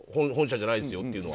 本社じゃないですよと。